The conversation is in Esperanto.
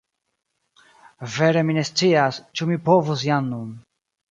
Vere mi ne scias, ĉu mi povus jam nun.